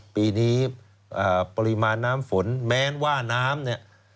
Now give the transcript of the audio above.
ปีนี้ปริมาณน้ำฝนแม้ว่าน้ำเนี่ย